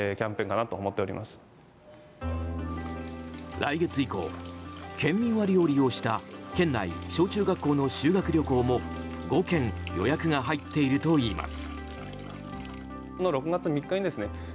来月以降、県民割を利用した県内小中学校の修学旅行も５件予約が入っているといいます。